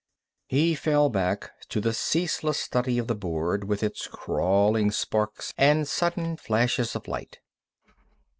He fell back to the ceaseless study of the board with its crawling sparks and sudden flashes of light.